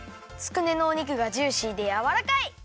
つくねのお肉がジューシーでやわらかい！